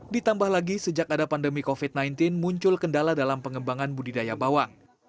ditambah lagi sejak ada pandemi covid sembilan belas muncul kendala dalam pengembangan budidaya bawang